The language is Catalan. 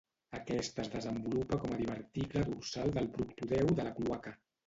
Aquesta es desenvolupa com a diverticle dorsal del proctodeu de la cloaca.